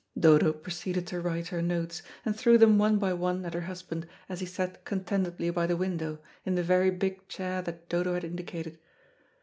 Dodo proceeded to write her notes, and threw them one by one at her husband as he sat contentedly by the window, in the very big chair that Dodo had indicated.